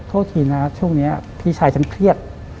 โทษทีนะช่วงนี้พี่ชายฉันเครียด